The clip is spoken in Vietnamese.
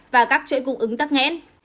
và các chuỗi cung ứng tắc nghẽn